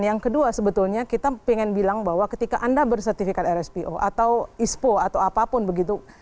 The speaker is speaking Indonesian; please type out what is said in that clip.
yang kedua sebetulnya kita ingin bilang bahwa ketika anda bersertifikat rspo atau ispo atau apapun begitu